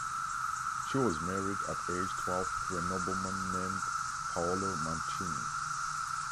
She was married at age twelve to a nobleman named Paolo Mancini.